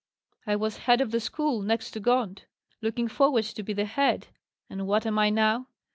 I was head of the school, next to Gaunt; looking forward to be the head; and what am I now?